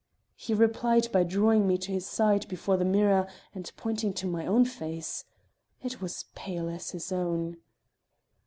He replied by drawing me to his side before the mirror and pointing to my own face. It was as pale as his own.